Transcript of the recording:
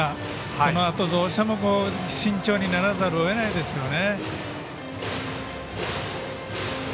そのあと、どうしても慎重にならざるをえないですよね。